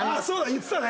言ってたね！